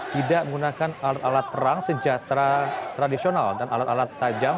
tidak menggunakan alat alat perang sejahtera tradisional dan alat alat tajam